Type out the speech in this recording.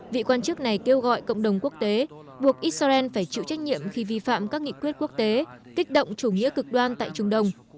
vị quan chức này kêu gọi cộng đồng quốc tế buộc israel phải chịu trách nhiệm khi vi phạm các nghị quyết quốc tế kích động chủ nghĩa cực đoan tại trung đông